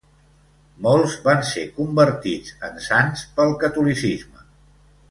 Molts van ser convertits en sants pel catolicisme.